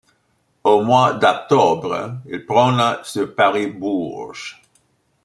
Au mois d'octobre, il prend la sur Paris-Bourges.